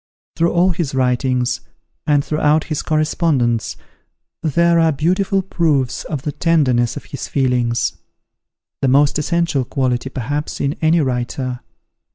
Through all his writings, and throughout his correspondence, there are beautiful proofs of the tenderness of his feelings, the most essential quality, perhaps, in any writer.